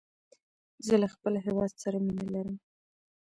زه له خپل هیواد سره مینه لرم.